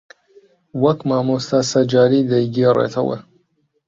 وەک مامۆستا سەجادی دەیگێڕێتەوە